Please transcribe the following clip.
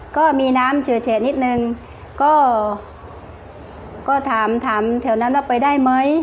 ก็มีน้ำเฉยนิดนึงก็ก็ถามถามแถวนั้นว่าไปได้ไหม